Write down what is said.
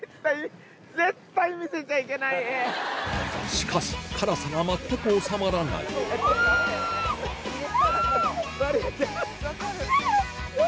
しかし辛さが全く治まらないあぁ！